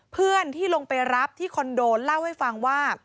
เพื่อนที่ลงไปรับที่คอนโดเล่าให้ฟังว่า